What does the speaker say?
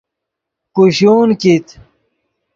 کوشون کیت